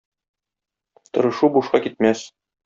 Тырышу бушка китмәс.